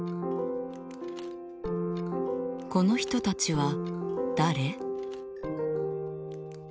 この人たちは誰？